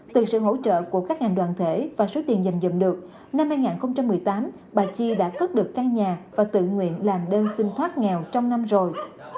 từ sự hỗ trợ của các ngành đoàn thể và số tiền dành dựng được năm hai nghìn một mươi tám bà chi đã cất được căn nhà và tự nguyện làm đơn xin thoát nghèo trong năm rồi